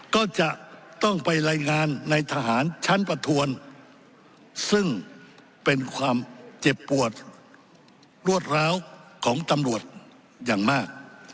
ก็จะต้องไปรายงานในทหารชั้นประทวนซึ่งเป็นความเจ็บปวดรวดร้าวของตำรวจอย่างมาก